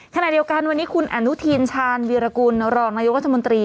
ขณะเดียวกันวันนี้คุณอนุทินชาญวีรกุลรองนายกรัฐมนตรี